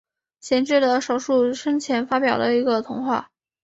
贤治的少数生前发表的一个童话。